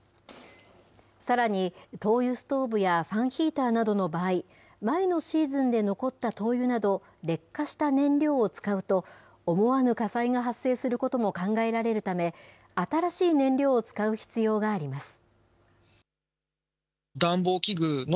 さらに、灯油ストーブやファンヒーターなどの場合、前のシーズンで残った灯油など、劣化した燃料を使うと、思わぬ火災が発生することも考えられるため、新しい燃料を使う必要があります。